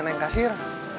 nih neneng kasir